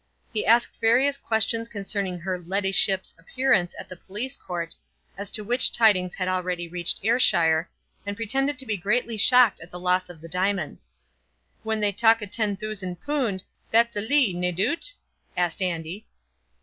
He asked various questions concerning her "leddyship's" appearance at the police court, as to which tidings had already reached Ayrshire, and pretended to be greatly shocked at the loss of the diamonds. "When they talk o' ten thoosand poond, that's a lee, nae doobt?" asked Andy.